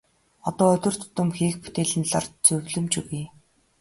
Одоо өдөр тутам хийх бүтээлийн талаар зөвлөмж өгье.